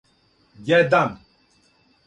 један